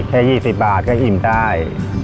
แค่๒๐บาทก็อิ่มได้